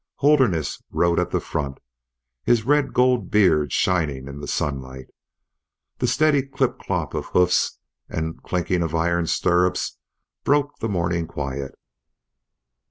Holderness rode at the front, his red gold beard shining in the sunlight. The steady clip clop of hoofs and clinking of iron stirrups broke the morning quiet.